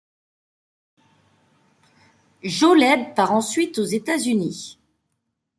Jo Leb part ensuite aux États-Unis.